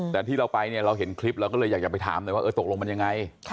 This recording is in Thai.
แต่ที่เราไปเราเห็นคลิปเราก็เลยอยากจะไปถามได้ว่าตกลงมันยังไง